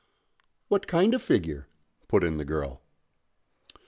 "What kind of figure?" put in the girl.